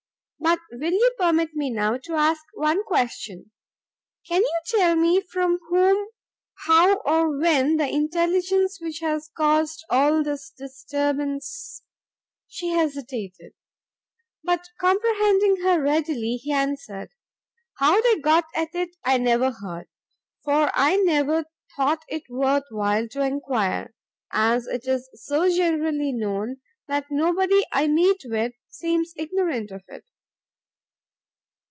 But will you permit me now to ask one question? Can you tell me from whom, how, or when the intelligence which has caused all this disturbance " She hesitated, but, comprehending her readily, he answered "How they got at it, I never heard, for I never thought it worth while to enquire, as it is so generally known, that nobody I meet with seems ignorant of it."